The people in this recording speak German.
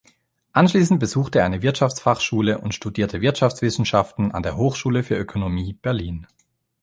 Anschließend besuchte er eine Wirtschaftsfachschule und studierte Wirtschaftswissenschaften an der Hochschule für Ökonomie Berlin.